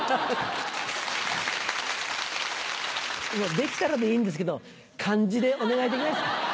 できたらでいいんですけど漢字でお願いできますか。